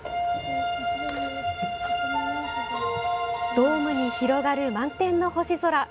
ドームに広がる満天の星空。